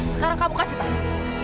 sekarang kamu kasih tau saya